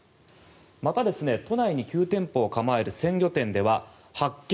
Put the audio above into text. また都内に９店舗を構える鮮魚店では発見！